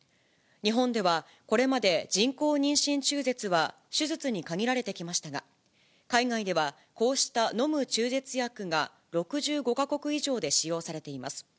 日本では、これまで人工妊娠中絶は手術に限られてきましたが、海外ではこうした飲む中絶薬が６５か国以上で使用されています。